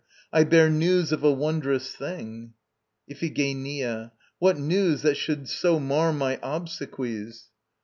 I bear news of a wondrous thing. IPHIGENIA. What news, that should so mar my obsequies?